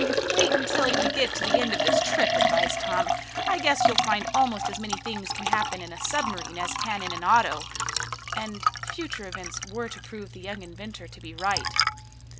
"Wait until we get to the end of this trip," advised Tom. "I guess you'll find almost as many things can happen in a submarine as can in an auto," and future events were to prove the young inventor to be right.